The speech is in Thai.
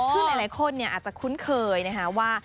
คือหลายคนอาจจะคุ้นเคยนะคะว่า